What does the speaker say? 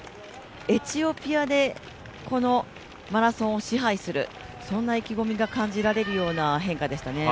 エチオピアでこのマラソンを支配する、そんな意気込みが感じられるような変化でしたね。